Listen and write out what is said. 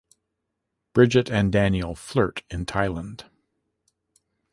Bridget and Daniel flirt in Thailand.